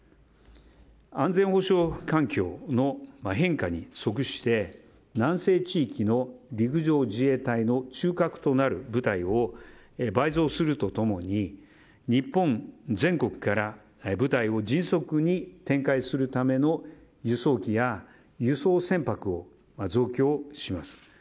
安全保障環境の変化に即して南西地域の陸上自衛隊の中核となる部隊を倍増すると共に日本全国から部隊を迅速に展開するための輸送機や輸送船舶を増強します。